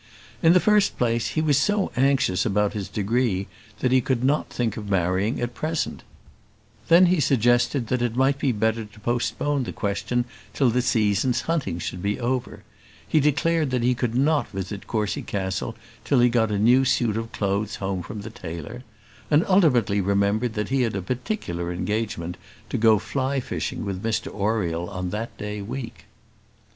In the first place, he was so anxious about his degree that he could not think of marrying at present; then he suggested that it might be better to postpone the question till the season's hunting should be over; he declared that he could not visit Courcy Castle till he got a new suit of clothes home from the tailor; and ultimately remembered that he had a particular engagement to go fly fishing with Mr Oriel on that day week.